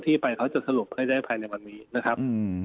ที่ไปเขาจะสรุปให้ได้ภายในวันนี้นะครับ